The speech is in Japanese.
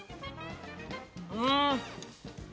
うん！